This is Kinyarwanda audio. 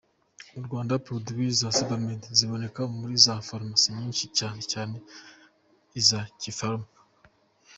Mu Rwanda Produits za Sebamed ziboneka muri za Pharmacie nyinshi, cyane cyane iza Kipharma.